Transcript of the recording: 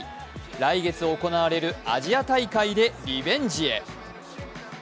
来月行われるアジア大会でリベンジへ。